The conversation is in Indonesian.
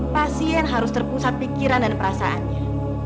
pasien harus terpusat pikiran dan perasaannya